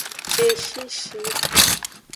Beshishi.